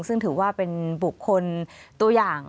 ซึ่งถือว่าเป็นบุคคลตัวอย่าง